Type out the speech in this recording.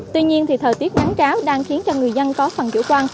tuy nhiên thì thời tiết ngắn cáo đang khiến cho người dân có phần chủ quan